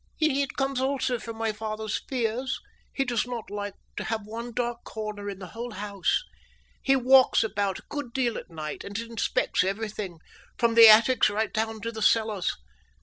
"It comes also from my father's fears. He does not like to have one dark corner in the whole house. He walks about a good deal at night, and inspects everything, from the attics right down to the cellars.